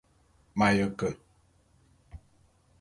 M'aye ke.